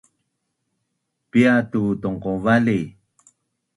Paitu tongqovali